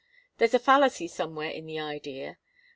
There's a fallacy somewhere in the idea.